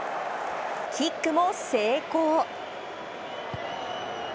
キックも成功。